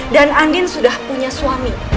dan andin sudah punya suami